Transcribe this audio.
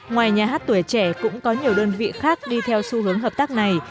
ngoài nhà hát tuổi trẻ cũng có nhiều đơn vị khác đi theo xu hướng hợp tác này